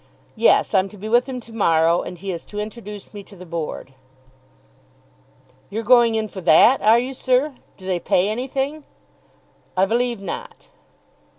"Yes; I'm to be with him to morrow, and he is to introduce me to the Board." "You're going in for that, are you, sir? Do they pay anything?" "I believe not."